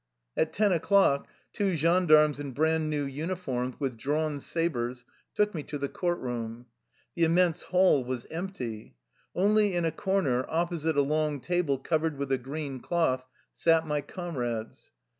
At ten o'clock two gendarmes in brand new uniforms, with drawn sabers, took me to the court room. The immense hall was empty. Only in a corner, opposite a long table covered with a green cloth, sat my comrades.